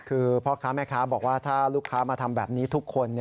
คือพ่อค้าแม่ค้าบอกว่าถ้าลูกค้ามาทำแบบนี้ทุกคน